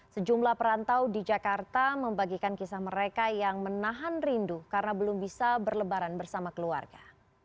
sejumlah perantau di jakarta membagikan kisah mereka yang menahan rindu karena belum bisa berlebaran bersama keluarga